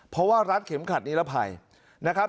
เพราะว่ารัดเข็มขัดนิรภัยนะครับ